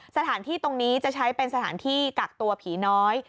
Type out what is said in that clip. สถานที่ตรงนี้จะใช้เป็นสถานที่กักตัวผีน้อย